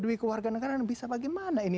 demi kewarganegaraan bisa bagaimana ini